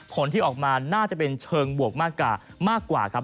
ผลที่ออกมาน่าจะเป็นเชิงบวกมากกว่าครับ